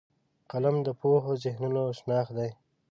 قلم د پوهو ذهنونو شناخت دی